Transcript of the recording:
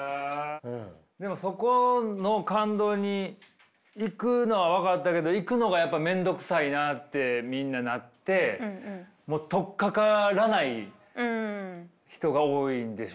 でもそこの感動に行くのは分かったけど行くのがやっぱり面倒くさいなってみんななってもう取っかからない人が多いんでしょうね。